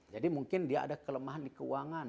jadi mungkin dia ada kelemahan di keuangan